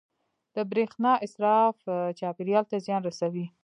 • د برېښنا اسراف چاپېریال ته زیان رسوي.